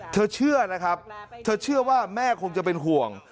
เชื่อนะครับเธอเชื่อว่าแม่คงจะเป็นห่วง